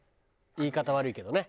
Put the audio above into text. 言い方悪いけどね。